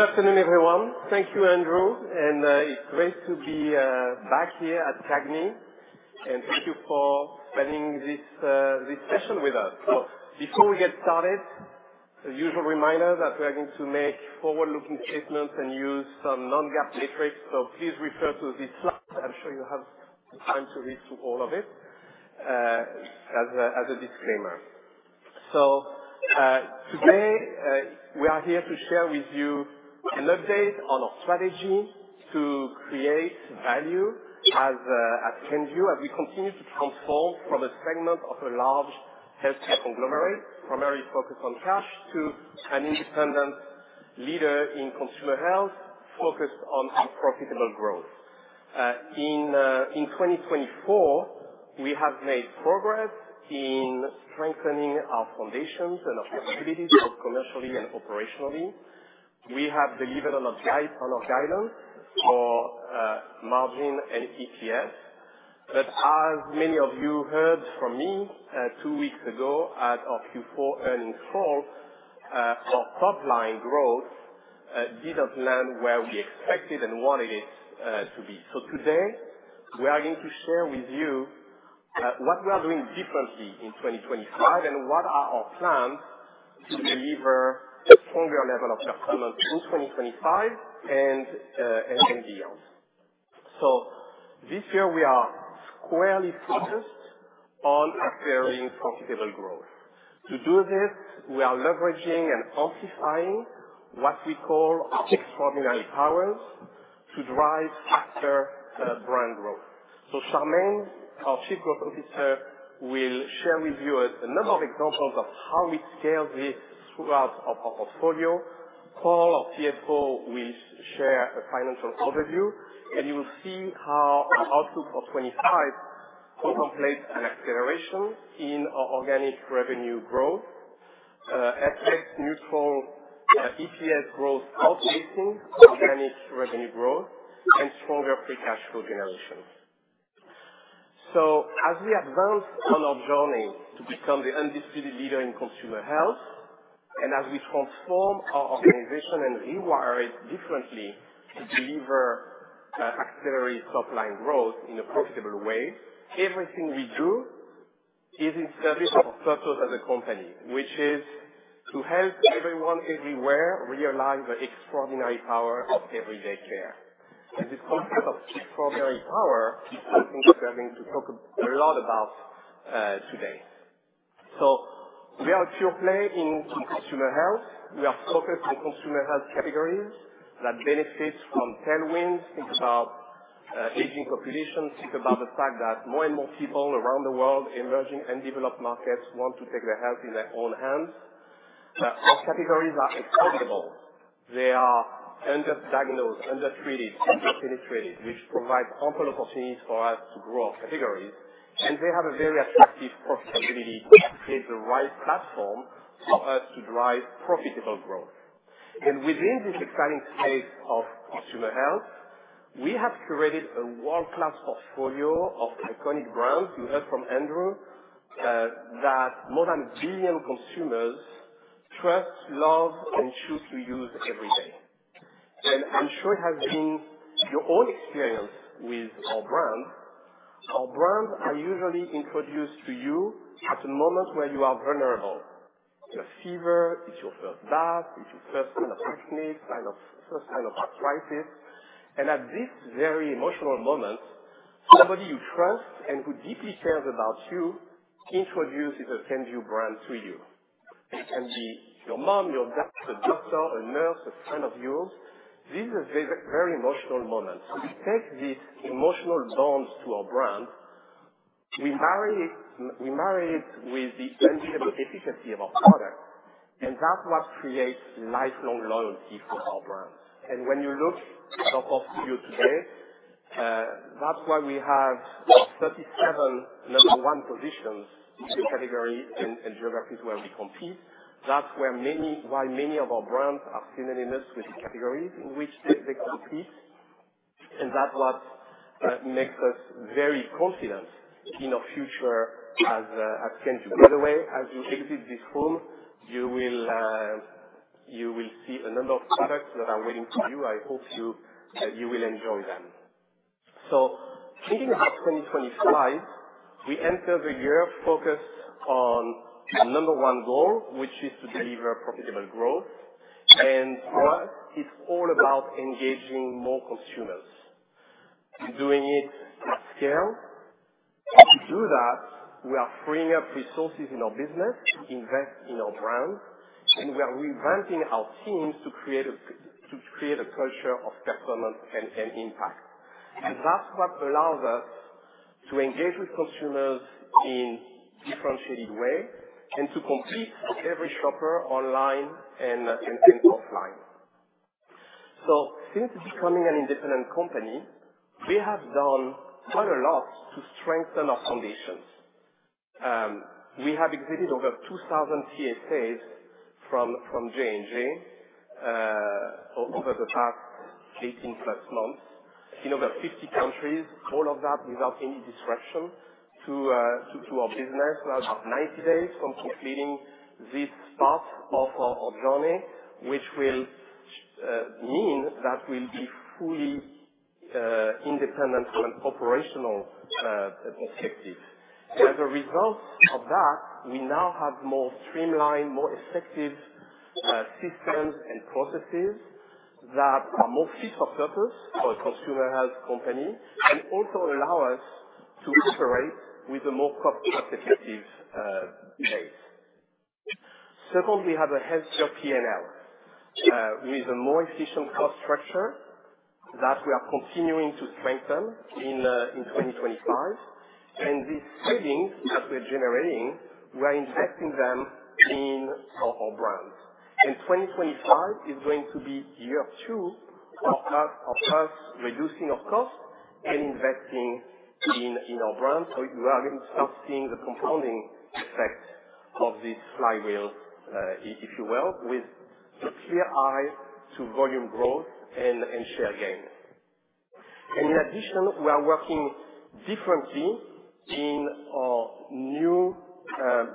Good afternoon, everyone. Thank you, Andrew. And it's great to be back here at CAGNY. And thank you for spending this session with us. So before we get started, the usual reminder that we're going to make forward-looking statements and use some non-GAAP metrics. So please refer to this slide. I'm sure you have time to read through all of it as a disclaimer. So today, we are here to share with you an update on our strategy to create value at Kenvue, as we continue to transform from a segment of a large healthcare conglomerate, primarily focused on cash, to an independent leader in consumer health focused on profitable growth. In 2024, we have made progress in strengthening our foundations and our capabilities both commercially and operationally. We have delivered on our guidance for margin and EPS. But as many of you heard from me two weeks ago at our Q4 earnings call, our top-line growth did not land where we expected and wanted it to be. So today, we are going to share with you what we are doing differently in 2025 and what are our plans to deliver a stronger level of performance in 2025 and beyond. So this year, we are squarely focused on carrying profitable growth. To do this, we are leveraging and amplifying what we call extraordinary powers to drive faster brand growth. So Charmaine, our Chief Growth Officer, will share with you a number of examples of how we scale this throughout our portfolio. Paul, our CFO, will share a financial overview. And you will see how our outlook for 2025 contemplates an acceleration in our organic revenue growth, asset-neutral EPS growth outpacing organic revenue growth, and stronger free cash flow generation. So as we advance on our journey to become the undisputed leader in consumer health, and as we transform our organization and rewire it differently to deliver accelerated top-line growth in a profitable way, everything we do is in service of our purpose as a company, which is to help everyone everywhere realize the extraordinary power of everyday care. And this concept of extraordinary power is something that we are going to talk a lot about today. So we are a pure-play in consumer health. We are focused on consumer health categories that benefit from tailwinds. Think about the aging population. Think about the fact that more and more people around the world, emerging and developed markets, want to take their health in their own hands. Our categories are exportable. They are underdiagnosed, undertreated, and undersubstituted, which provides ample opportunities for us to grow our categories. And they have a very attractive profitability to create the right platform for us to drive profitable growth. And within this exciting space of consumer health, we have curated a world-class portfolio of iconic brands. You heard from Andrew that more than a billion consumers trust, love, and choose to use every day. And I'm sure it has been your own experience with our brands. Our brands are usually introduced to you at a moment where you are vulnerable. It's your fever. It's your first bath. It's your first kind of sickness, first kind of crisis. And at this very emotional moment, somebody you trust and who deeply cares about you introduces a Kenvue brand to you. It can be your mom, your dad, a doctor, a nurse, a friend of yours. This is a very emotional moment. So we take this emotional bond to our brand. We marry it with the unbeatable efficacy of our product. And that's what creates lifelong loyalty for our brands. And when you look at our portfolio today, that's why we have 37 number-one positions in the categories and geographies where we compete. That's why many of our brands are synonymous with the categories in which they compete. And that's what makes us very confident in our future as Kenvue. By the way, as you exit this room, you will see a number of products that are waiting for you. I hope that you will enjoy them. Thinking about 2025, we enter the year focused on a number-one goal, which is to deliver profitable growth. And for us, it's all about engaging more consumers and doing it at scale. To do that, we are freeing up resources in our business to invest in our brands. And we are revamping our teams to create a culture of performance and impact. And that's what allows us to engage with consumers in a differentiated way and to complete every shopper online and offline. So since becoming an independent company, we have done quite a lot to strengthen our foundations. We have exited over 2,000 TSAs from J&J over the past 18+ months in over 50 countries, all of that without any disruption to our business. We are about 90 days from completing this part of our journey, which will mean that we'll be fully independent from an operational perspective. As a result of that, we now have more streamlined, more effective systems and processes that are more fit for purpose for a consumer health company and also allow us to operate with a more cost-effective base. Second, we have a healthcare P&L with a more efficient cost structure that we are continuing to strengthen in 2025. And these savings that we are generating, we are investing them in our brands. And 2025 is going to be year two of us reducing our costs and investing in our brands. So we are going to start seeing the compounding effect of this flywheel, if you will, with a clear eye to volume growth and share gains. And in addition, we are working differently in our new,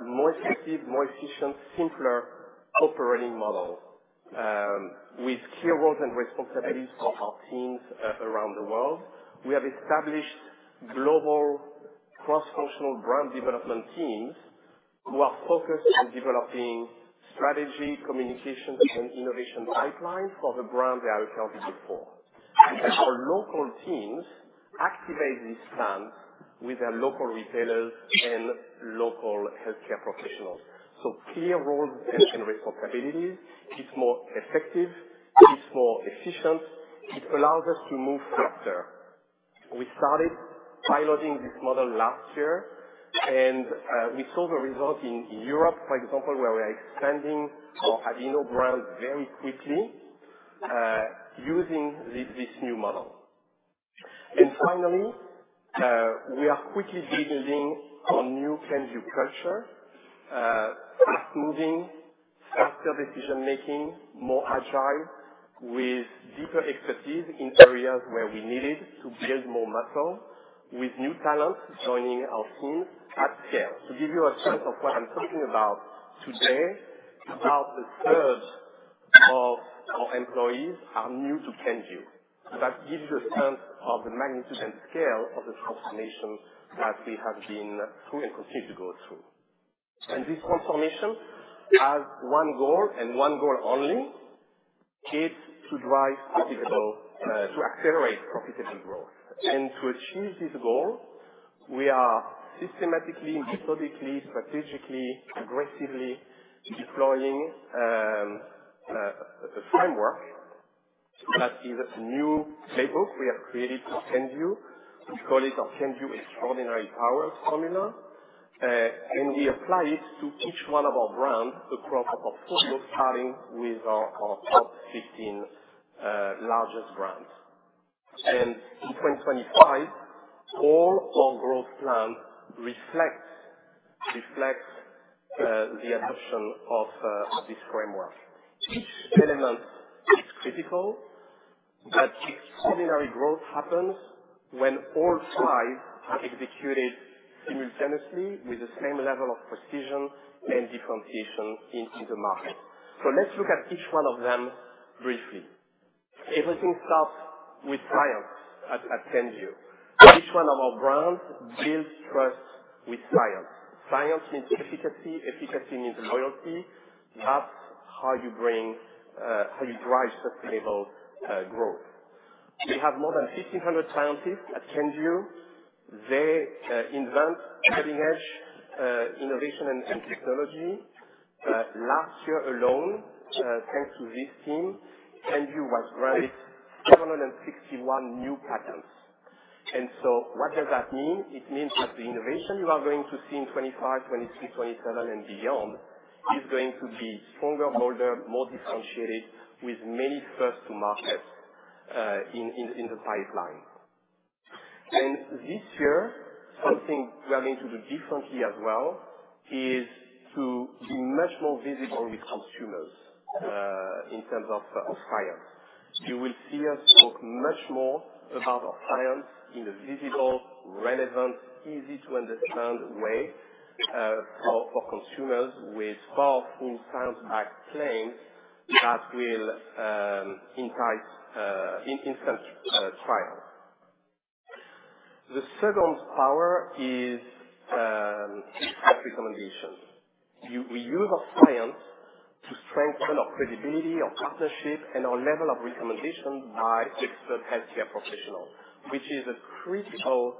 more effective, more efficient, simpler operating model with clear roles and responsibilities for our teams around the world. We have established global cross-functional brand development teams who are focused on developing strategy, communication, and innovation pipelines for the brands that I referred to before. And our local teams activate these plans with our local retailers and local healthcare professionals. So clear roles and responsibilities, it's more effective, it's more efficient, it allows us to move faster. We started piloting this model last year. And we saw the result in Europe, for example, where we are expanding our Aveeno brand very quickly using this new model. And finally, we are quickly building our new Kenvue culture, fast-moving, faster decision-making, more agile with deeper expertise in areas where we needed to build more muscle, with new talents joining our teams at scale. To give you a sense of what I'm talking about today, about a third of our employees are new to Kenvue. That gives you a sense of the magnitude and scale of the transformation that we have been through and continue to go through. And this transformation has one goal and one goal only: it's to drive profitable, to accelerate profitable growth. And to achieve this goal, we are systematically, methodically, strategically, aggressively deploying a framework that is a new playbook we have created for Kenvue. We call it our Kenvue Extraordinary Powers formula. And we apply it to each one of our brands across our portfolio, starting with our top 15 largest brands. And in 2025, all our growth plans reflect the adoption of this framework. Each element is critical, but extraordinary growth happens when all five are executed simultaneously with the same level of precision and differentiation in the market. So let's look at each one of them briefly. Everything starts with science at Kenvue. Each one of our brands builds trust with science. Science means efficacy. Efficacy means loyalty. That's how you drive sustainable growth. We have more than 1,500 scientists at Kenvue. They invent cutting-edge innovation and technology. Last year alone, thanks to this team, Kenvue was granted 761 new patents. And so what does that mean? It means that the innovation you are going to see in 2025, 2026, 2027, and beyond is going to be stronger, bolder, more differentiated, with many first-to-market in the pipeline. And this year, something we are going to do differently as well is to be much more visible with consumers in terms of science. You will see us talk much more about our science in a visible, relevant, easy-to-understand way for consumers with powerful science-backed claims that will entice instant trials. The second power is expert recommendation. We use our science to strengthen our credibility, our partnership, and our level of recommendation by expert healthcare professionals, which is a critical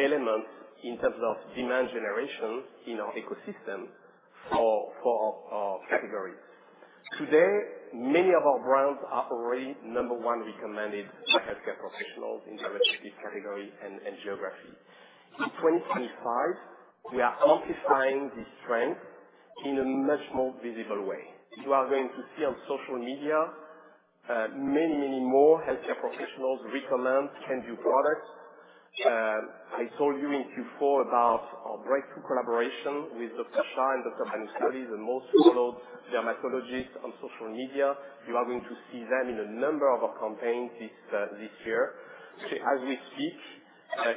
element in terms of demand generation in our ecosystem for our categories. Today, many of our brands are already number-one recommended by healthcare professionals in the respective category and geography. In 2025, we are amplifying this trend in a much more visible way. You are going to see on social media many, many more healthcare professionals recommend Kenvue products. I told you in Q4 about our breakthrough collaboration with Dr. Shah and Dr. Bhanusali, the most followed dermatologists on social media. You are going to see them in a number of our campaigns this year. As we speak,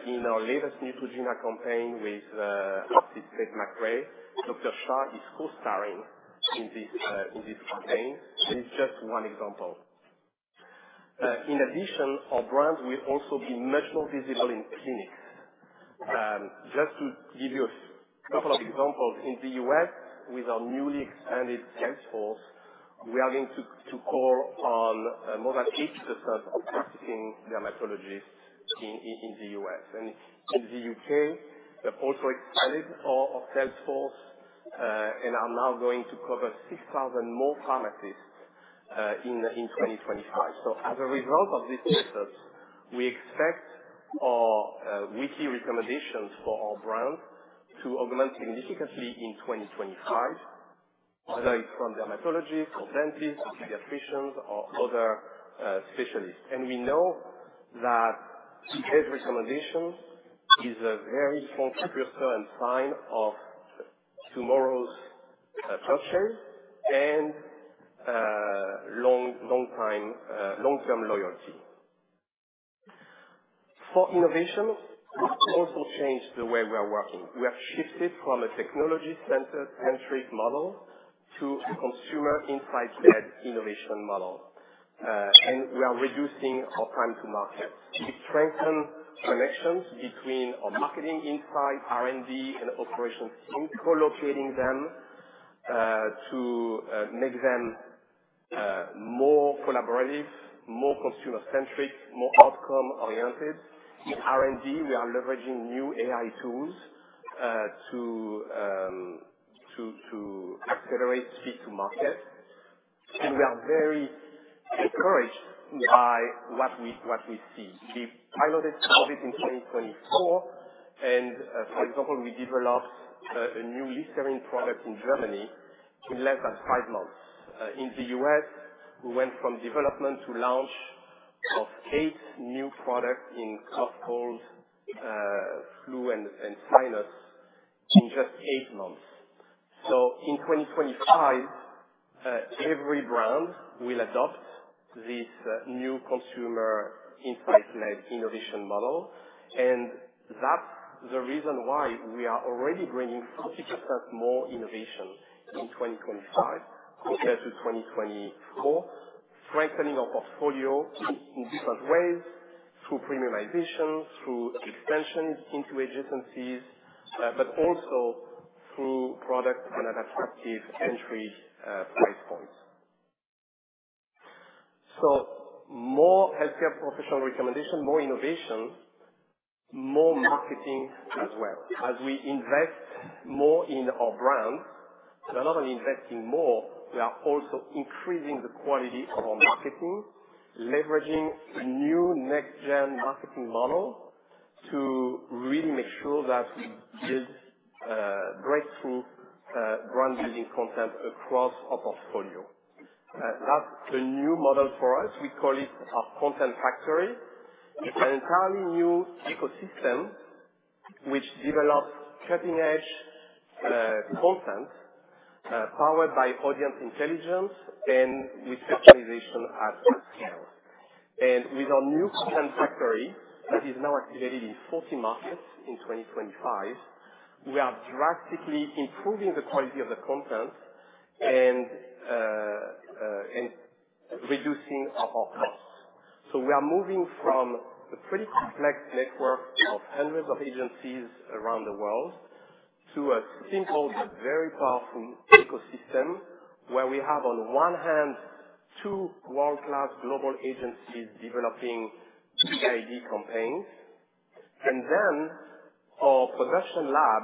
in our latest Neutrogena campaign with Tate McRae, Dr. Shah is co-starring in this campaign. This is just one example. In addition, our brands will also be much more visible in clinics. Just to give you a couple of examples, in the U.S., with our newly expanded sales force, we are going to call on more than 80% of practicing dermatologists in the U.S. And in the U.K., we have also expanded our sales force and are now going to cover 6,000 more pharmacists in 2025. So as a result of this effort, we expect our weekly recommendations for our brands to augment significantly in 2025, whether it's from dermatologists or dentists or pediatricians or other specialists. And we know that this recommendation is a very strong precursor and sign of tomorrow's purchase and long-term loyalty. For innovation, we've also changed the way we are working. We have shifted from a technology-centric model to a consumer insight-led innovation model. And we are reducing our time-to-market. We strengthen connections between our marketing insight, R&D, and operations team, co-locating them to make them more collaborative, more consumer-centric, more outcome-oriented. In R&D, we are leveraging new AI tools to accelerate speed-to-market, and we are very encouraged by what we see. We piloted some of it in 2024, and for example, we developed a new Listerine product in Germany in less than five months. In the U.S., we went from development to launch of eight new products in cough, cold, flu, and sinus in just eight months, so in 2025, every brand will adopt this new consumer insight-led innovation model, and that's the reason why we are already bringing 40% more innovation in 2025 compared to 2024, strengthening our portfolio in different ways through premiumization, through extensions into adjacencies, but also through products that have attractive entry price points. So more healthcare professional recommendations, more innovation, more marketing as well. As we invest more in our brands, we are not only investing more. We are also increasing the quality of our marketing, leveraging new next-gen marketing models to really make sure that we build breakthrough brand-building content across our portfolio. That's a new model for us. We call it our content factory. It's an entirely new ecosystem which develops cutting-edge content powered by audience intelligence and with optimization at scale. And with our new content factory that is now activated in 40 markets in 2025, we are drastically improving the quality of the content and reducing our costs. So we are moving from a pretty complex network of hundreds of agencies around the world to a simple but very powerful ecosystem where we have, on one hand, two world-class global agencies developing big idea campaigns. Then our production lab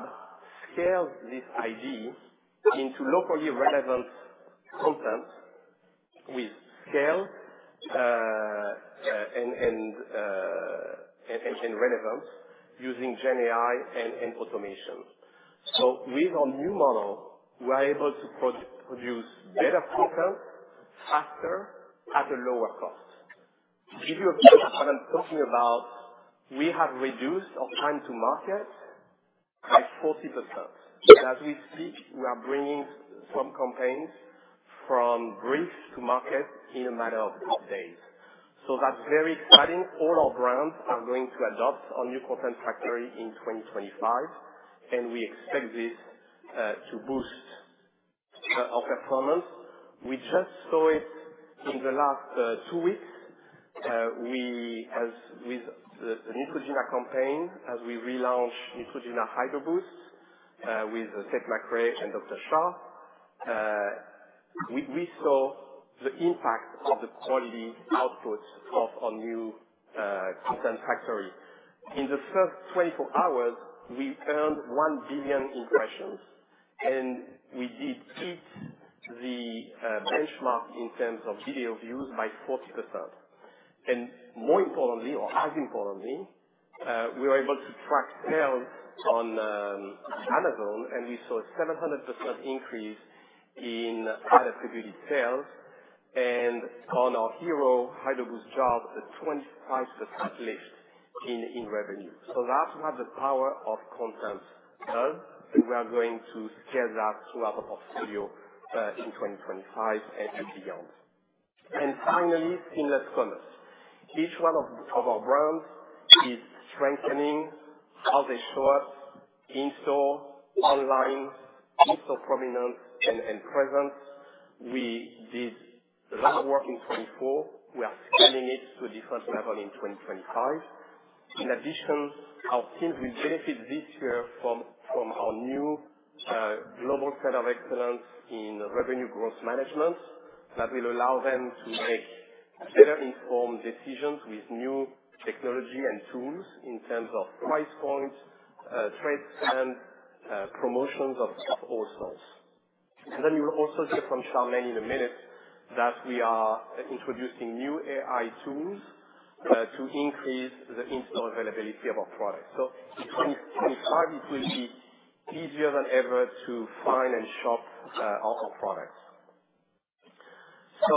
scales this ID into locally relevant content with scale and relevance using GenAI and automation. So with our new model, we are able to produce better content faster at a lower cost. To give you a sense of what I'm talking about, we have reduced our time-to-market by 40%. And as we speak, we are bringing some campaigns from briefs to market in a matter of days. So that's very exciting. All our brands are going to adopt our new Content Factory in 2025. And we expect this to boost our performance. We just saw it in the last two weeks. With the Neutrogena campaign, as we relaunch Neutrogena Hydro Boost with Tate McRae and Dr. Shah, we saw the impact of the quality output of our new Content Factory. In the first 24 hours, we earned 1 billion impressions. We did beat the benchmark in terms of video views by 40%. And more importantly, or as importantly, we were able to track sales on Amazon. And we saw a 700% increase in added attributed sales. And on our hero Hydro Boost job, a 25% lift in revenue. So that's what the power of content does. And we are going to scale that throughout our portfolio in 2025 and beyond. And finally, seamless commerce. Each one of our brands is strengthening how they show up in-store, online, in-store prominence, and presence. We did a lot of work in 2024. We are scaling it to a different level in 2025. In addition, our teams will benefit this year from our new global center of excellence in revenue growth management that will allow them to make better-informed decisions with new technology and tools in terms of price points, trade stands, promotions of all sorts. And then you will also hear from Charmaine in a minute that we are introducing new AI tools to increase the in-store availability of our products. So in 2025, it will be easier than ever to find and shop our products. So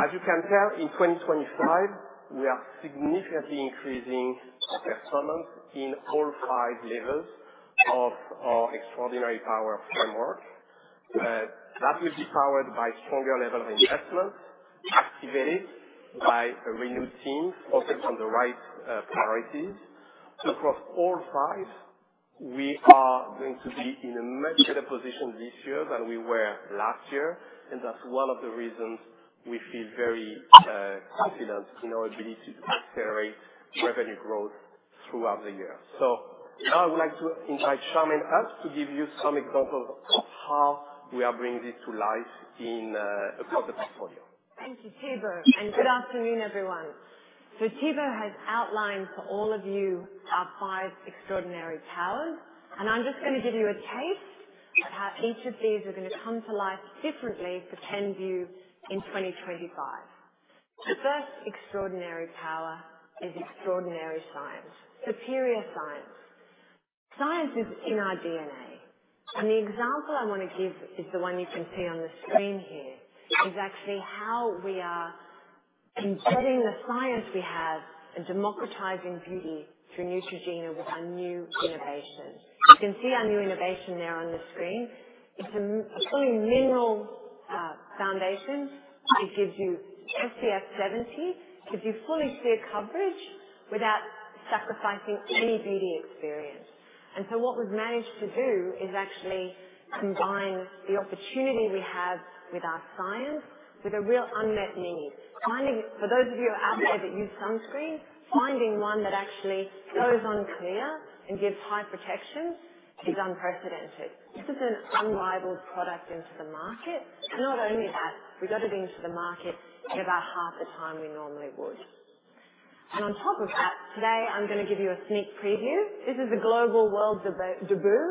as you can tell, in 2025, we are significantly increasing our performance in all five levels of our extraordinary power framework. That will be powered by stronger level of investment activated by renewed teams, focused on the right priorities. Across all five, we are going to be in a much better position this year than we were last year. That's one of the reasons we feel very confident in our ability to accelerate revenue growth throughout the year. Now I would like to invite Charmaine up to give you some examples of how we are bringing this to life across the portfolio. Thank you, Thibaut. And good afternoon, everyone. So Thibaut has outlined for all of you our five extraordinary powers. And I'm just going to give you a taste of how each of these are going to come to life differently for Kenvue in 2025. The first extraordinary power is extraordinary science, superior science. Science is in our DNA. And the example I want to give is the one you can see on the screen here, is actually how we are injecting the science we have and democratizing beauty through Neutrogena with our new innovation. You can see our new innovation there on the screen. It's a fully mineral foundation. It gives you SPF 70, gives you fully clear coverage without sacrificing any beauty experience. And so what we've managed to do is actually combine the opportunity we have with our science with a real unmet need. For those of you out there that use sunscreen, finding one that actually goes on clear and gives high protection is unprecedented. This is an unrivaled product into the market. Not only that, we got it into the market in about half the time we normally would. And on top of that, today, I'm going to give you a sneak preview. This is a global world debut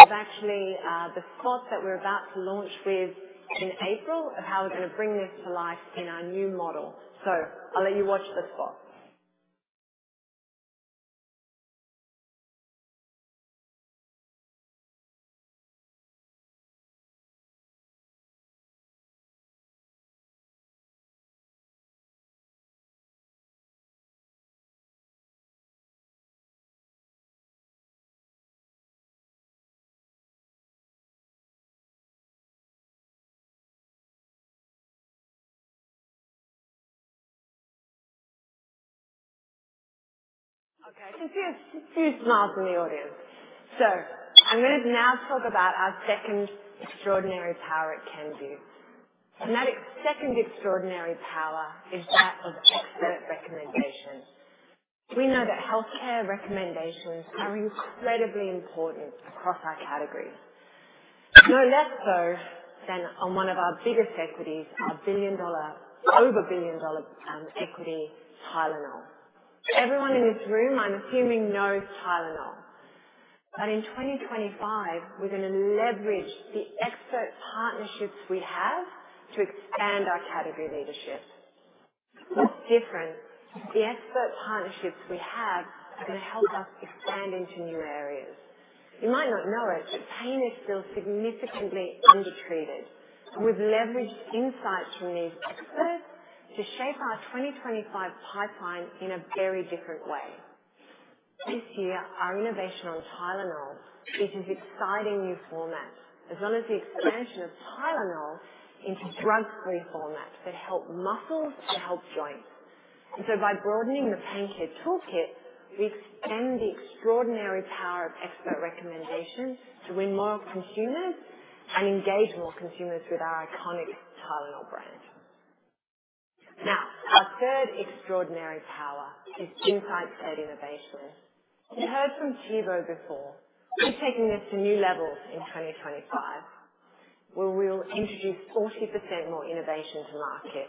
of actually the spot that we're about to launch with in April of how we're going to bring this to life in our new model. So I'll let you watch the spot. Okay. I can see a few smiles in the audience. So I'm going to now talk about our second extraordinary power at Kenvue. And that second extraordinary power is that of expert recommendation. We know that healthcare recommendations are incredibly important across our categories. No less so than on one of our biggest equities, our over-billion-dollar equity, Tylenol. Everyone in this room, I'm assuming, knows Tylenol. But in 2025, we're going to leverage the expert partnerships we have to expand our category leadership. What's different? The expert partnerships we have are going to help us expand into new areas. You might not know it, but pain is still significantly undertreated. And we've leveraged insights from these experts to shape our 2025 pipeline in a very different way. This year, our innovation on Tylenol features exciting new formats as well as the expansion of Tylenol into drug-free formats that help muscles and help joints. And so by broadening the painkit toolkit, we extend the extraordinary power of expert recommendations to win more consumers and engage more consumers with our iconic Tylenol brand. Now, our third extraordinary power is insights-led innovation. You've heard from Thibaut before. We're taking this to new levels in 2025, where we will introduce 40% more innovation to market.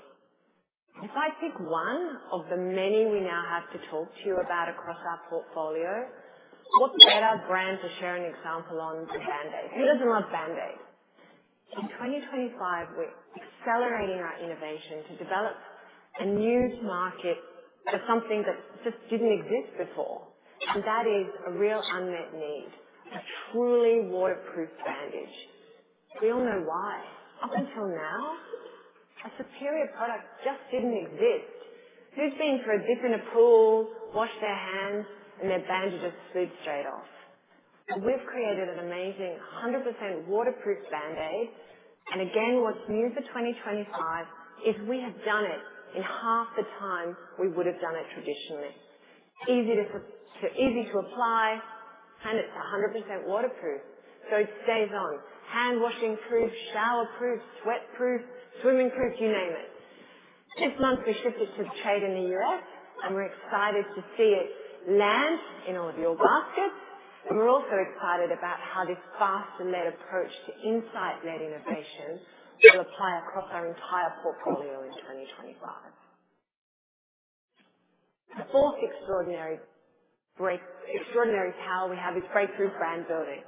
If I pick one of the many we now have to talk to you about across our portfolio, what's better brand to share an example on than Band-Aid? Who doesn't love Band-Aid? In 2025, we're accelerating our innovation to develop a new market for something that just didn't exist before, and that is a real unmet need, a truly waterproof bandage. We all know why. Up until now, a superior product just didn't exist. Who's been through a dip in a pool, washed their hands, and their bandage just slid straight off, but we've created an amazing 100% waterproof Band-Aid, and again, what's new for 2025 is we have done it in half the time we would have done it traditionally. Easy to apply, and it's 100% waterproof, so it stays on. Handwashing-proof, shower-proof, sweat-proof, swimming-proof, you name it. This month, we shipped it to trade in the U.S., and we're excited to see it land in all of your baskets. And we're also excited about how this faster-led approach to insight-led innovation will apply across our entire portfolio in 2025. The fourth extraordinary power we have is breakthrough brand building.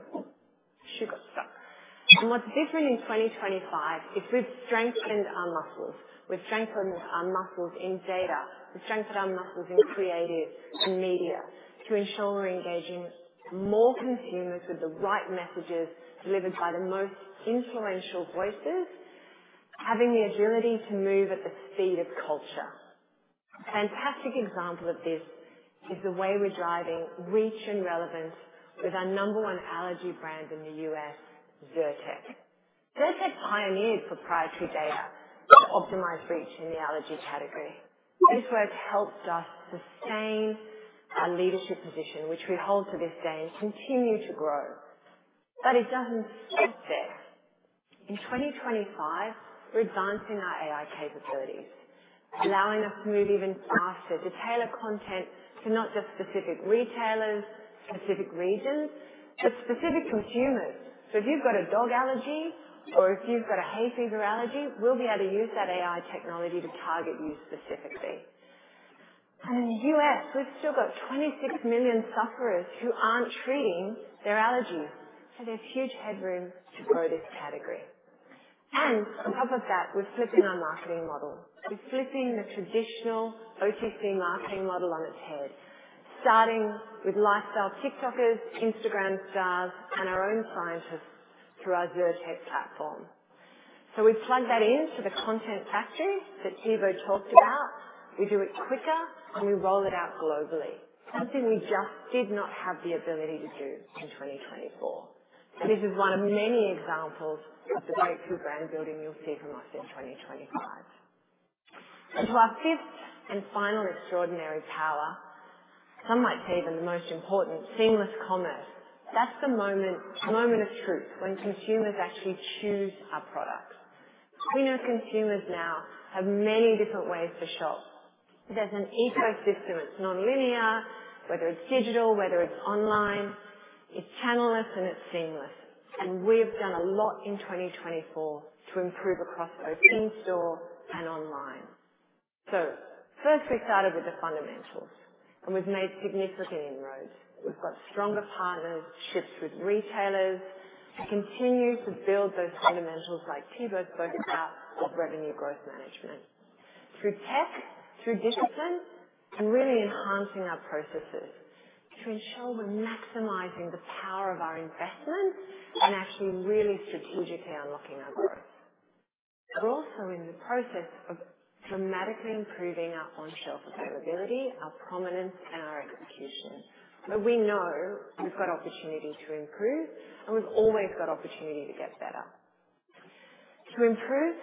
Shoot that stuff. And what's different in 2025 is we've strengthened our muscles. We've strengthened our muscles in data. We've strengthened our muscles in creative and media to ensure we're engaging more consumers with the right messages delivered by the most influential voices, having the agility to move at the speed of culture. A fantastic example of this is the way we're driving reach and relevance with our number one allergy brand in the U.S., Zyrtec. Zyrtec pioneered proprietary data to optimize reach in the allergy category. This work helped us sustain our leadership position, which we hold to this day and continue to grow, but it doesn't stop there. In 2025, we're advancing our AI capabilities, allowing us to move even faster to tailor content to not just specific retailers, specific regions, but specific consumers, so if you've got a dog allergy or if you've got a hay fever allergy, we'll be able to use that AI technology to target you specifically. And in the U.S., we've still got 26 million sufferers who aren't treating their allergies, so there's huge headroom to grow this category, and on top of that, we're flipping our marketing model. We're flipping the traditional OTC marketing model on its head, starting with lifestyle TikTokers, Instagram stars, and our own scientists through our Zyrtec platform, so we plug that into the content factory that Thibaut talked about. We do it quicker, and we roll it out globally, something we just did not have the ability to do in 2024. And this is one of many examples of the breakthrough brand building you'll see from us in 2025. And to our fifth and final extraordinary power, some might say even the most important, seamless commerce. That's the moment of truth when consumers actually choose our products. We know consumers now have many different ways to shop. There's an ecosystem. It's non-linear, whether it's digital, whether it's online. It's channel-less, and it's seamless. And we have done a lot in 2024 to improve across both in-store and online. So first, we started with the fundamentals, and we've made significant inroads. We've got stronger partnerships with retailers and continue to build those fundamentals like Thibaut spoke about of revenue growth management. Through tech, through discipline, we're really enhancing our processes to ensure we're maximizing the power of our investment and actually really strategically unlocking our growth. We're also in the process of dramatically improving our onshelf availability, our prominence, and our execution. But we know we've got opportunity to improve, and we've always got opportunity to get better. To improve,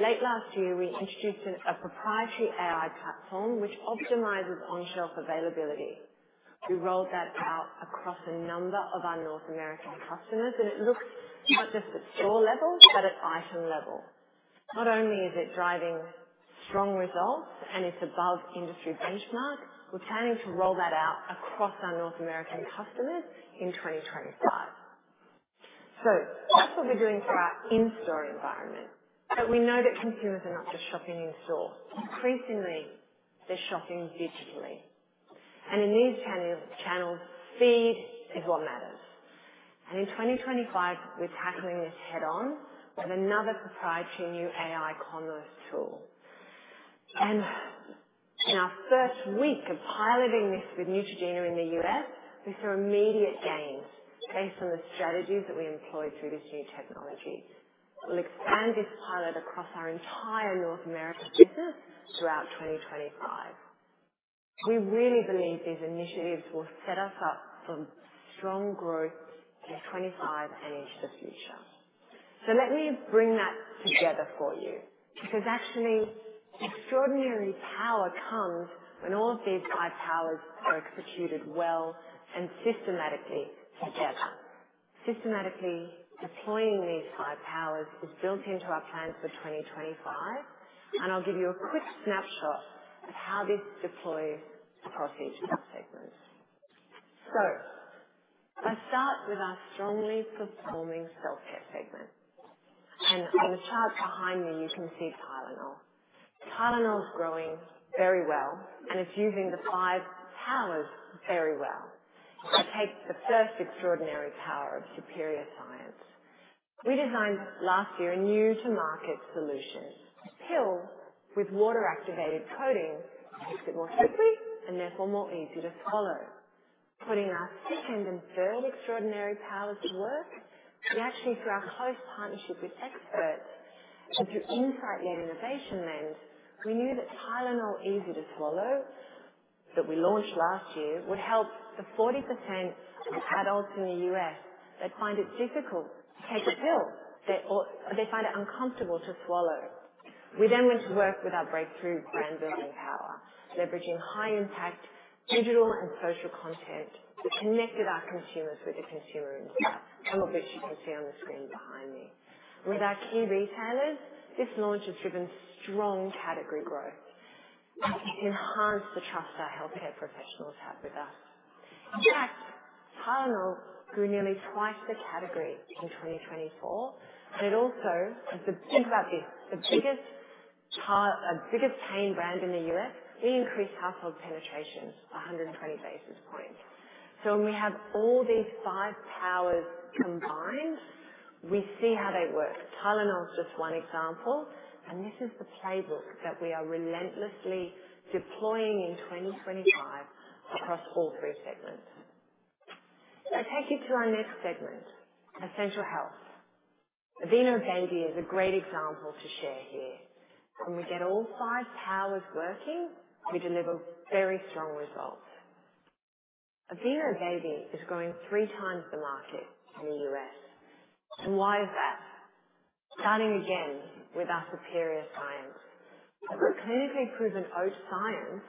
late last year, we introduced a proprietary AI platform which optimizes onshelf availability. We rolled that out across a number of our North American customers. And it looks not just at store level, but at item level. Not only is it driving strong results, and it's above industry benchmark, we're planning to roll that out across our North American customers in 2025. So that's what we're doing for our in-store environment. But we know that consumers are not just shopping in store. Increasingly, they're shopping digitally. And in these channels, feed is what matters. And in 2025, we're tackling this head-on with another proprietary new AI commerce tool. And in our first week of piloting this with Neutrogena in the U.S., we saw immediate gains based on the strategies that we employed through this new technology. We'll expand this pilot across our entire North America business throughout 2025. We really believe these initiatives will set us up for strong growth in 2025 and into the future. So let me bring that together for you because actually, extraordinary power comes when all of these five powers are executed well and systematically together. Systematically deploying these five powers is built into our plans for 2025. And I'll give you a quick snapshot of how this deploys across each segment. So I'll start with our strongly performing self-care segment. And on the chart behind me, you can see Tylenol. Tylenol is growing very well, and it's using the five powers very well. I take the first extraordinary power of superior science. We designed last year a new-to-market solution, a pill with water-activated coating that makes it more slippery and therefore more easy to swallow. Putting our second and third extraordinary powers to work, we actually, through our close partnership with experts and through insight-led innovation lens, we knew that Tylenol Easy to Swallow, that we launched last year, would help the 40% of adults in the U.S. that find it difficult to take a pill or they find it uncomfortable to swallow. We then went to work with our breakthrough brand building power, leveraging high-impact digital and social content that connected our consumers with the consumer inside, some of which you can see on the screen behind me. With our key retailers, this launch has driven strong category growth. It's enhanced the trust our healthcare professionals have with us. In fact, Tylenol grew nearly twice the category in 2024. And it also has the, think about this, the biggest pain brand in the U.S., we increased household penetration by 120 basis points. So when we have all these five powers combined, we see how they work. Tylenol is just one example. And this is the playbook that we are relentlessly deploying in 2025 across all three segments. I take you to our next segment, essential health. Aveeno Baby is a great example to share here. When we get all five powers working, we deliver very strong results. Aveeno Baby is growing three times the market in the U.S. And why is that? Starting again with our superior science. We're clinically proven oat science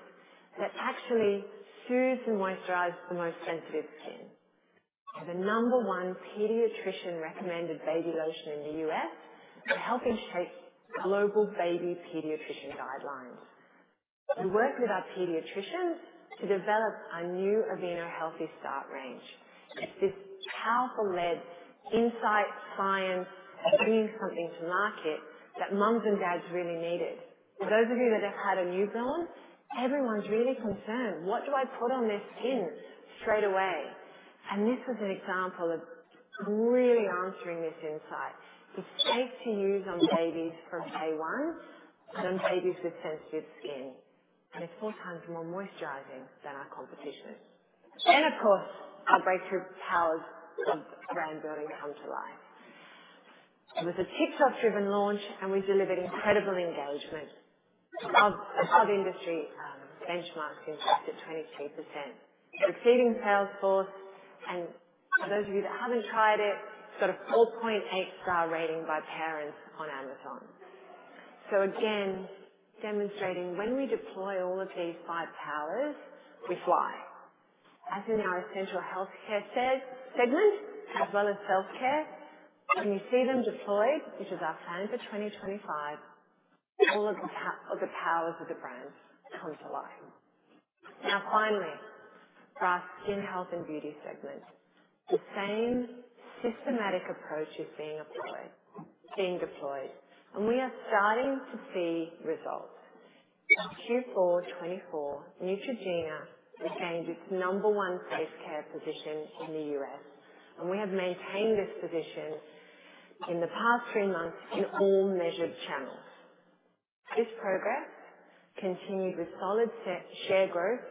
that actually soothes and moisturizes the most sensitive skin. We're the number one pediatrician-recommended baby lotion in the U.S. for helping shape global baby pediatrician guidelines. We worked with our pediatricians to develop our new Aveeno Healthy Start range. It's this powerful-led insight, science, and bringing something to market that moms and dads really needed. For those of you that have had a newborn, everyone's really concerned, "What do I put on their skin straight away?" And this was an example of really answering this insight. It's safe to use on babies from day one and on babies with sensitive skin. And it's four times more moisturizing than our competition. And of course, our breakthrough powers of brand building come to life. It was a TikTok-driven launch, and we delivered incredible engagement of industry benchmarks in 2023, exceeding Salesforce. And for those of you that haven't tried it, it's got a 4.8-star rating by parents on Amazon. So again, demonstrating when we deploy all of these five powers, we fly. As in our essential healthcare segment as well as self-care, when you see them deployed, which is our plan for 2025, all of the powers of the brands come to life. Now, finally, for our skin health and beauty segment, the same systematic approach is being deployed. And we are starting to see results. In Q4 2024, Neutrogena retained its number one face care position in the U.S. And we have maintained this position in the past three months in all measured channels. This progress continued with solid share growth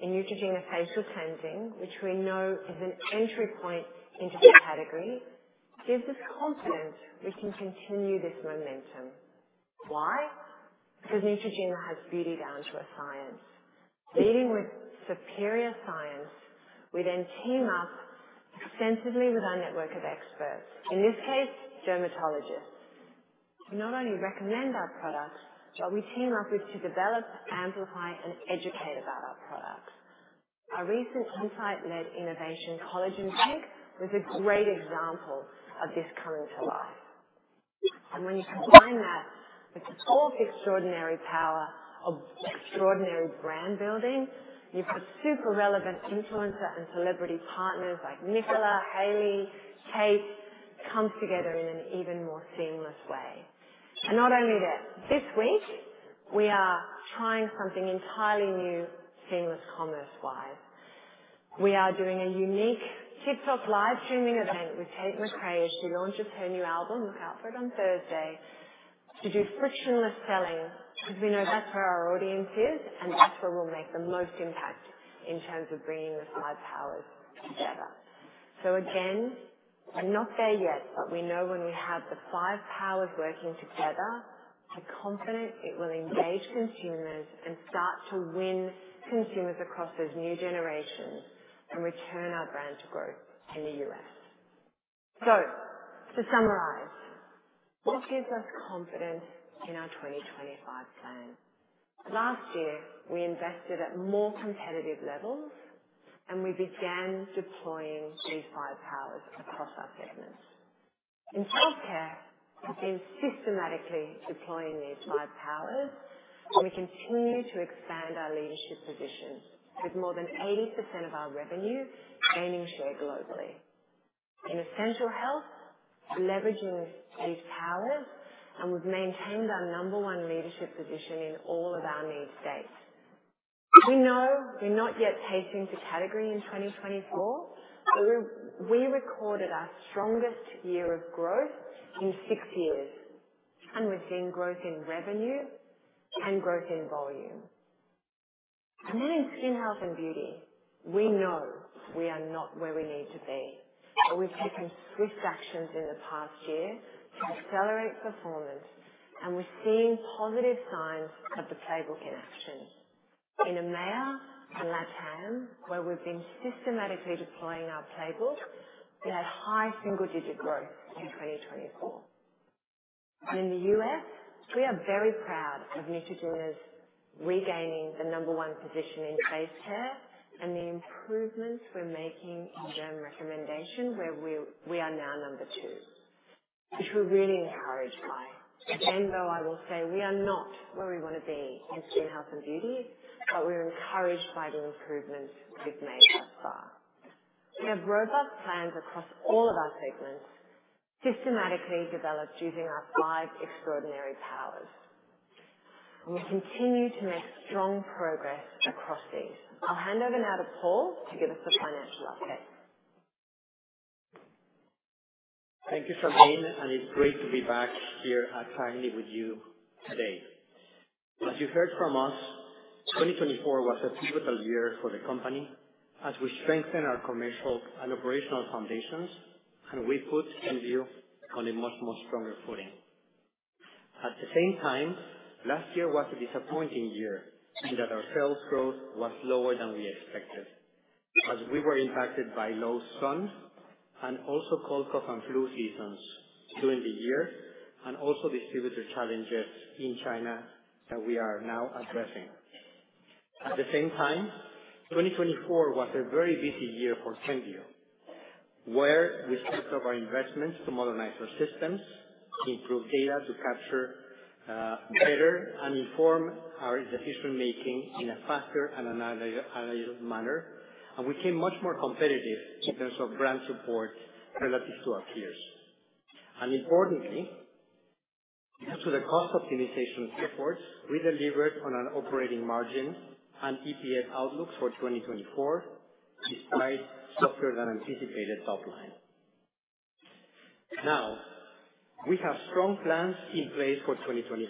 in Neutrogena facial cleansing, which we know is an entry point into the category, gives us confidence we can continue this momentum. Why? Because Neutrogena has beauty down to a science. Leading with superior science, we then team up extensively with our network of experts, in this case, dermatologists, to not only recommend our products, but we team up with to develop, amplify, and educate about our products. Our recent insight-led innovation, Collagen Bank, was a great example of this coming to life. And when you combine that with the fourth extraordinary power of extraordinary brand building, you've got super relevant influencer and celebrity partners like Nicola, Hailey, Tate come together in an even more seamless way. And not only that, this week, we are trying something entirely new, seamless commerce-wise. We are doing a unique TikTok live streaming event with Tate McRae as she launches her new album. Look out for it on Thursday to do frictionless selling because we know that's where our audience is, and that's where we'll make the most impact in terms of bringing the five powers together. So again, we're not there yet, but we know when we have the five powers working together, we're confident it will engage consumers and start to win consumers across those new generations and return our brand to growth in the U.S. So to summarize, this gives us confidence in our 2025 plan. Last year, we invested at more competitive levels, and we began deploying these five powers across our segments. In self-care, we've been systematically deploying these five powers, and we continue to expand our leadership position with more than 80% of our revenue gaining share globally. In essential health, leveraging these powers, and we've maintained our number one leadership position in all of our needs states. We know we're not yet pacing to category in 2024, but we recorded our strongest year of growth in six years, and we've seen growth in revenue and growth in volume. Then in skin health and beauty, we know we are not where we need to be, but we've taken swift actions in the past year to accelerate performance, and we're seeing positive signs of the playbook in action. In EMEA and LatAm, where we've been systematically deploying our playbook, we had high single-digit growth in 2024, and in the U.S., we are very proud of Neutrogena's regaining the number one position in face care and the improvements we're making in derm recommendation, where we are now number two, which we're really encouraged by. Again, though, I will say we are not where we want to be in skin health and beauty, but we're encouraged by the improvements we've made thus far. We have robust plans across all of our segments, systematically developed using our five extraordinary powers. And we continue to make strong progress across these. I'll hand over now to Paul to give us the financial update. Thank you, Charmaine. It's great to be back here at CAGNY with you today. As you heard from us, 2024 was a pivotal year for the company as we strengthened our commercial and operational foundations, and we put Kenvue on a much, much stronger footing. At the same time, last year was a disappointing year in that our sales growth was lower than we expected as we were impacted by low sun and also cold cough and flu seasons during the year and also distributor challenges in China that we are now addressing. At the same time, 2024 was a very busy year for Kenvue, where we stepped up our investments to modernize our systems, improve data to capture better and inform our decision-making in a faster and another manner. We became much more competitive in terms of brand support relative to our peers. Importantly, due to the cost optimization efforts, we delivered on our operating margin and EPS outlook for 2024 despite softer than anticipated top line. Now, we have strong plans in place for 2025,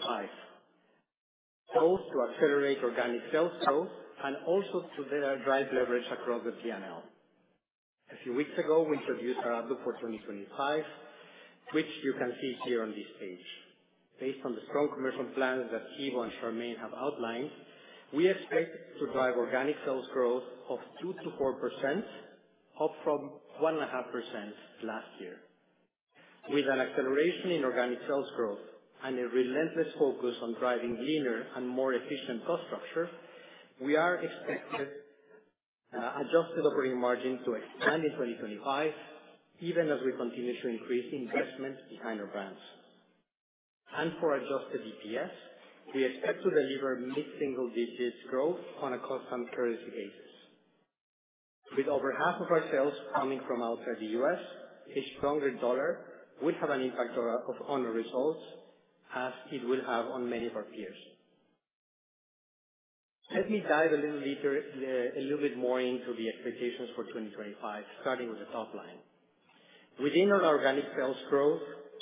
both to accelerate organic sales growth and also to drive leverage across the P&L. A few weeks ago, we introduced our outlook for 2025, which you can see here on this page. Based on the strong commercial plans that Thibaut and Charmaine have outlined, we expect to drive organic sales growth of 2%-4% up from 1.5% last year. With an acceleration in organic sales growth and a relentless focus on driving leaner and more efficient cost structures, we are expected to adjust the operating margin to expand in 2025, even as we continue to increase investment behind our brands. And for adjusted EPS, we expect to deliver mid-single-digit growth on a cost and currency basis. With over half of our sales coming from outside the U.S., a stronger dollar would have an impact on our results as it will have on many of our peers. Let me dive a little bit more into the expectations for 2025, starting with the top line. Within our organic sales growth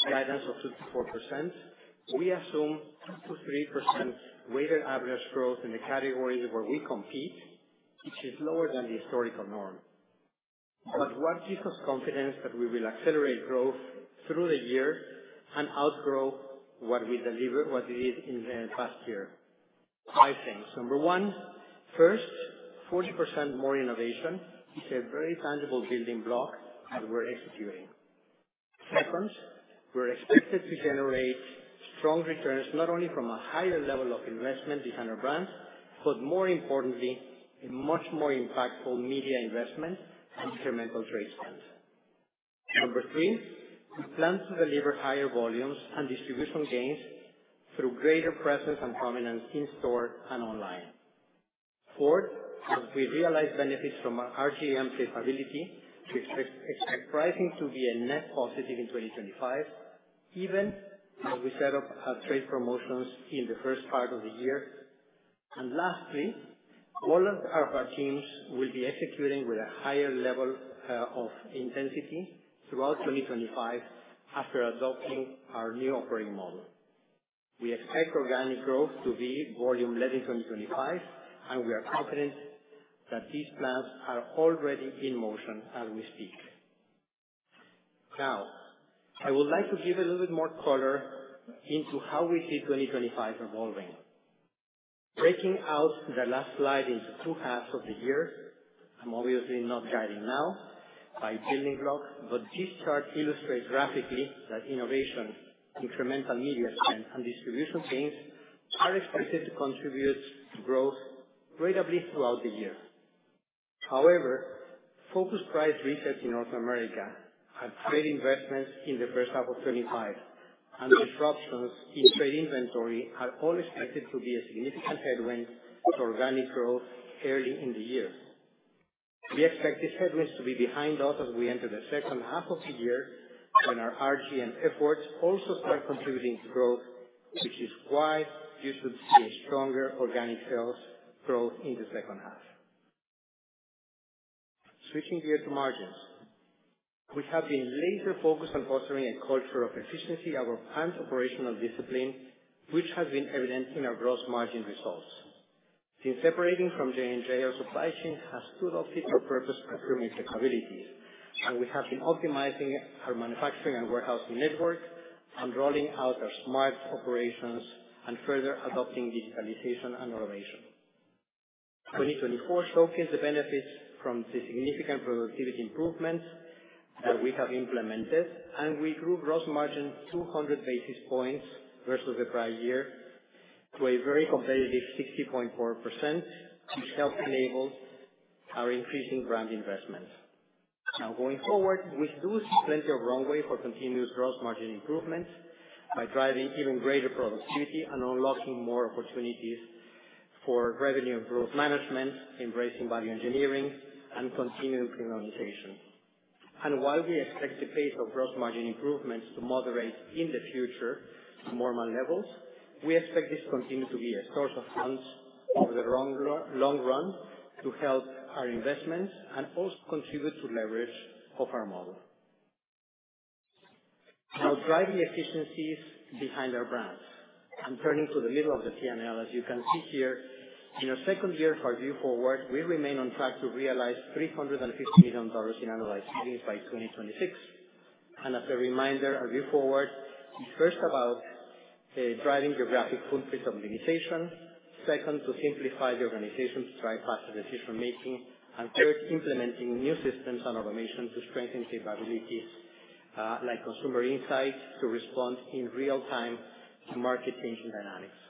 guidance of 2%-4%, we assume 2%-3% weighted average growth in the categories where we compete, which is lower than the historical norm. But what gives us confidence that we will accelerate growth through the year and outgrow what we delivered in the past year? Five things. Number one, first, 40% more innovation is a very tangible building block that we're executing. Second, we're expected to generate strong returns not only from a higher level of investment behind our brands, but more importantly, a much more impactful media investment and incremental trade spend. Number three, we plan to deliver higher volumes and distribution gains through greater presence and prominence in store and online. Fourth, as we realize benefits from our RGM capability, we expect pricing to be a net positive in 2025, even as we set up our trade promotions in the first part of the year. And lastly, all of our teams will be executing with a higher level of intensity throughout 2025 after adopting our new operating model. We expect organic growth to be volume-led in 2025, and we are confident that these plans are already in motion as we speak. Now, I would like to give a little bit more color into how we see 2025 evolving. Breaking out the last slide into two halves of the year, I'm obviously not guiding now by building blocks, but this chart illustrates graphically that innovation, incremental media spend, and distribution gains are expected to contribute to growth greatly throughout the year. However, focused price resets in North America and trade investments in the first half of 2025 and disruptions in trade inventory are all expected to be a significant headwind to organic growth early in the year. We expect these headwinds to be behind us as we enter the second half of the year when our RGM efforts also start contributing to growth, which is why you should see a stronger organic sales growth in the second half. Switching gears to margins, we have been laser-focused on fostering a culture of efficiency over planned operational discipline, which has been evident in our gross margin results. Since separating from J&J, our supply chain has stood up fit-for-purpose procurement capabilities, and we have been optimizing our manufacturing and warehousing network and rolling out our smart operations and further adopting digitalization and automation. 2024 showcased the benefits from the significant productivity improvements that we have implemented, and we grew gross margin 200 basis points versus the prior year to a very competitive 60.4%, which helped enable our increasing brand investment. Now, going forward, we do see plenty of runway for continuous gross margin improvements by driving even greater productivity and unlocking more opportunities for revenue and growth management, embracing value engineering, and continuing premiumization. While we expect the pace of gross margin improvements to moderate in the future to normal levels, we expect this to continue to be a source of funds over the long run to help our investments and also contribute to leverage of our model. Now, driving efficiencies behind our brands and turning to the middle of the P&L, as you can see here, in our second year for Vue Forward, we remain on track to realize $350 million in annualized savings by 2026. As a reminder, our Vue Forward is first about driving geographic footprint optimization, second, to simplify the organization to drive faster decision-making, and third, implementing new systems and automation to strengthen capabilities like consumer insights to respond in real time to market-changing dynamics.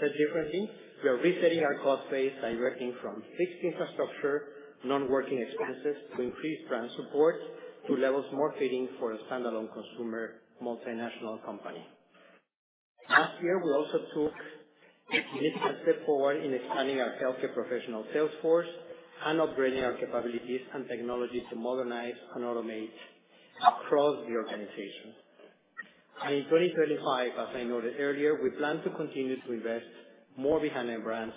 Said differently, we are resetting our cost base directing from fixed infrastructure, non-working expenses, to increased brand support to levels more fitting for a standalone consumer multinational company. Last year, we also took a significant step forward in expanding our healthcare professional sales force and upgrading our capabilities and technology to modernize and automate across the organization. And in 2025, as I noted earlier, we plan to continue to invest more behind our brands,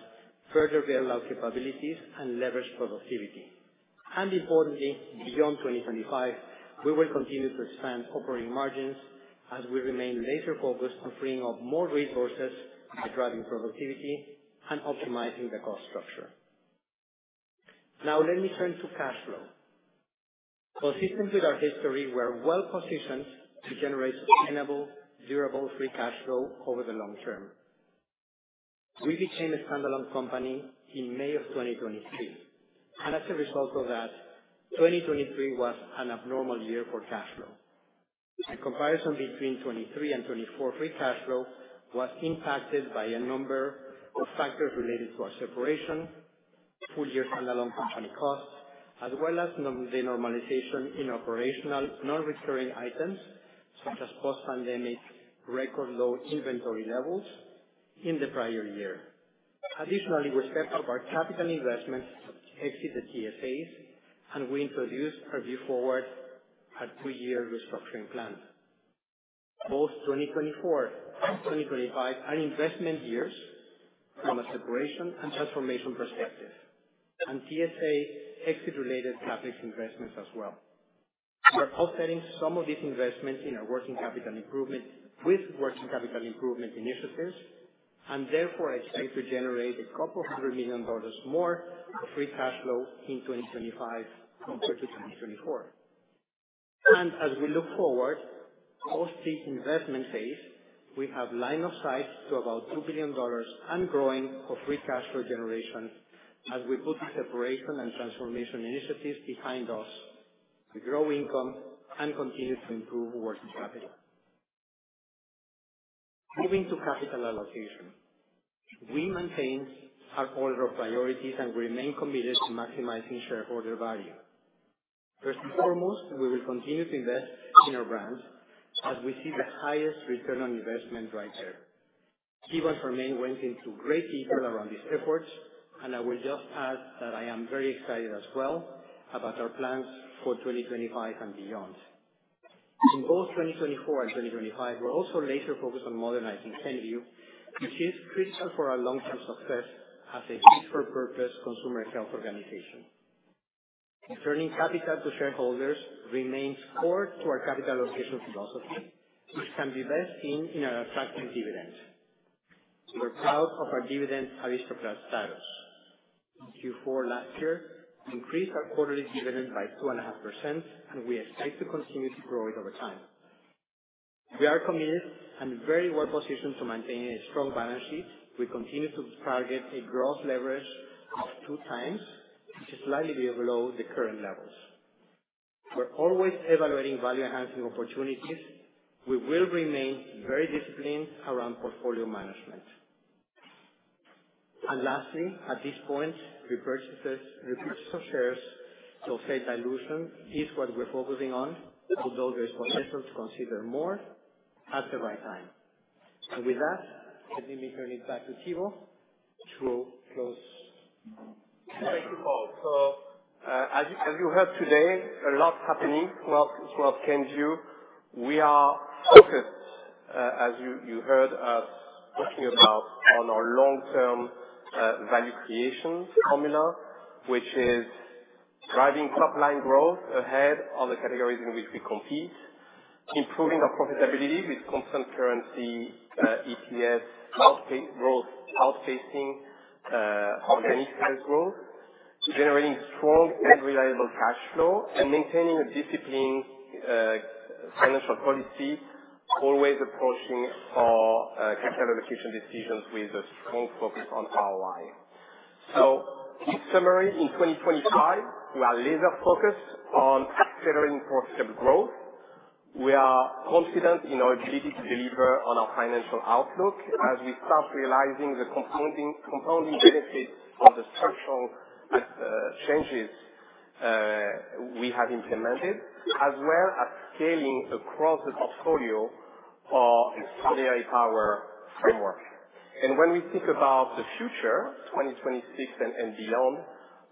further build our capabilities, and leverage productivity. And importantly, beyond 2025, we will continue to expand operating margins as we remain laser-focused on freeing up more resources by driving productivity and optimizing the cost structure. Now, let me turn to cash flow. Consistent with our history, we are well-positioned to generate sustainable, durable free cash flow over the long term. We became a standalone company in May of 2023. As a result of that, 2023 was an abnormal year for cash flow. The comparison between 2023 and 2024 free cash flow was impacted by a number of factors related to our separation, full-year standalone company costs, as well as the normalization in operational non-recurring items such as post-pandemic record low inventory levels in the prior year. Additionally, we stepped up our capital investments to exit the TSAs, and we introduced our View Forward, our two-year restructuring plan. Both 2024 and 2025 are investment years from a separation and transformation perspective, and TSA exit-related CapEx investments as well. We're offsetting some of these investments in our working capital improvement with working capital improvement initiatives, and therefore expect to generate $200 million more of free cash flow in 2025 compared to 2024. As we look forward, post-investment phase, we have line of sight to about $2 billion and growing of free cash flow generation as we put the separation and transformation initiatives behind us to grow income and continue to improve working capital. Moving to capital allocation, we maintain our order of priorities and remain committed to maximizing shareholder value. First and foremost, we will continue to invest in our brands as we see the highest return on investment right there. Thibaut and Charmaine went into great detail around these efforts, and I will just add that I am very excited as well about our plans for 2025 and beyond. In both 2024 and 2025, we're also laser-focused on modernizing Kenvue, which is critical for our long-term success as a fit-for-purpose consumer health organization. Returning capital to shareholders remains core to our capital allocation philosophy, which can be best seen in our attractive dividends. We're proud of our Dividend Aristocrat status. Q4 last year increased our quarterly dividend by 2.5%, and we expect to continue to grow it over time. We are committed and very well-positioned to maintain a strong balance sheet. We continue to target a gross leverage of two times, which is slightly below the current levels. We're always evaluating value-enhancing opportunities. We will remain very disciplined around portfolio management. And lastly, at this point, repurchases of shares to offset dilution is what we're focusing on, although there's potential to consider more at the right time. And with that, let me turn it back to Thibaut to close. Thank you, Paul. So as you heard today, a lot happening throughout Kenvue. We are focused, as you heard, as we talked about on our long-term value creation formula, which is driving top-line growth ahead of the categories in which we compete, improving our profitability with constant currency EPS outpacing organic sales growth, generating strong and reliable cash flow, and maintaining a disciplined financial policy, always approaching our capital allocation decisions with a strong focus on ROI. So in summary, in 2025, we are laser-focused on accelerating profitable growth. We are confident in our ability to deliver on our financial outlook as we start realizing the compounding benefits of the structural changes we have implemented, as well as scaling across the portfolio of Extraordinary Powers framework. And when we think about the future, 2026 and beyond,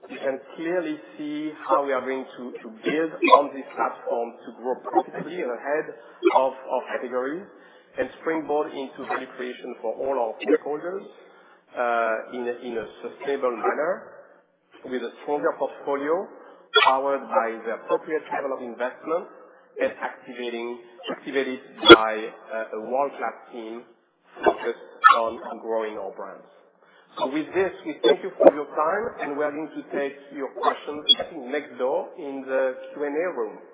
we can clearly see how we are going to build on this platform to grow profitably ahead of categories and springboard into value creation for all our stakeholders in a sustainable manner with a stronger portfolio powered by the appropriate level of investment and activated by a world-class team focused on growing our brands. So with this, we thank you for your time, and we're going to take your questions next door in the Q&A room.